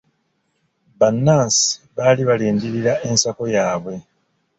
Bannansi baali balindirira ensako yaabwe.